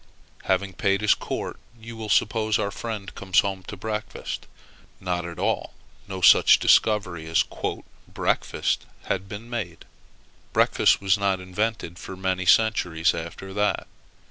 Having paid his court, you will suppose that our friend comes home to breakfast. Not at all: no such discovery as "breakfast" had then been made: breakfast was not invented for many centuries after that.